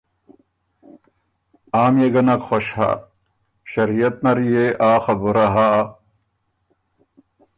آ ميې ګۀ نک خوش هۀ۔ شریعت نر يې آ خبُره هۀ